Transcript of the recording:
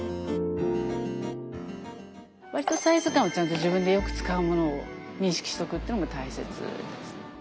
サイズ感を自分でよく使うものを認識しておくっていうのも大切です。